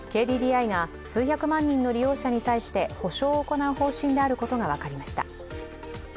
ＫＤＤＩが数百万人の利用者に対して補償を行う方針であることが分かりました。